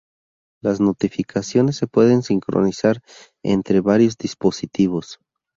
Las notificaciones se pueden sincronizar entre varios dispositivos.